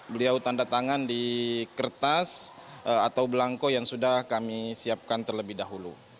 beliau tanda tangan di kertas atau belangko yang sudah kami siapkan terlebih dahulu